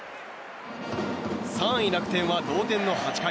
３位、楽天は同点の８回。